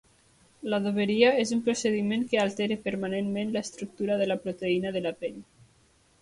L'adoberia és un procediment que altera permanentment l'estructura de la proteïna de la pell.